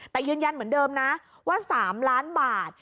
แต่ยืนยันเหมือนเดิมนะว่า๓ล้านบาท